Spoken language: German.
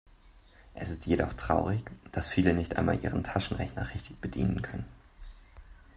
Es ist jedoch traurig, dass viele nicht einmal ihren Taschenrechner richtig bedienen können.